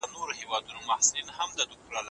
نامتو څېړونکي پکې یاد شوي دي.